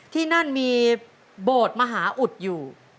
ที่นั่นมีโบสถ์มหาอุดอยู่